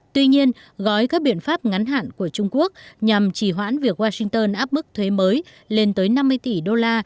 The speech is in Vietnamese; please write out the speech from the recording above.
tuy nhiên gói các biện pháp ngắn hạn của trung quốc nhằm chỉ hoãn việc washington áp mức thuế mới lên tới năm mươi tỷ đô la